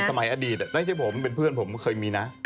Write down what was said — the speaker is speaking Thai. ในสมัยอดีตด้านชิดผมเหมือนเพื่อนผมเคยมีนะ